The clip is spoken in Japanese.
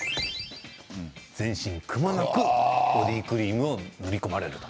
全身くまなくボディークリーム塗り込まれると。